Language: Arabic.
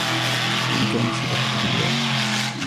بإمكاني السباحة في الواد.